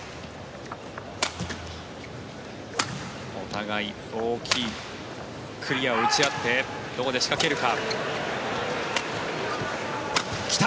お互い大きいクリアを打ち合ってどこで仕掛けるか。来た。